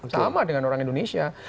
sama dengan orang indonesia